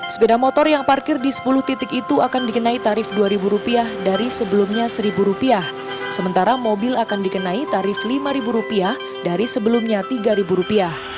sepeda motor yang parkir di sepuluh titik itu akan dikenai tarif rp dua dari sebelumnya rp satu sementara mobil akan dikenai tarif rp lima dari sebelumnya rp tiga